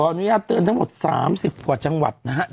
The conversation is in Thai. อนุญาตเตือนทั้งหมด๓๐กว่าจังหวัดนะครับ